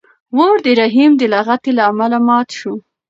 ور د رحیم د لغتې له امله مات شو.